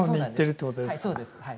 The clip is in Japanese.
そうですはい。